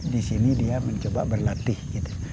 di sini dia mencoba berlatih gitu